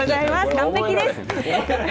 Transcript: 完璧です。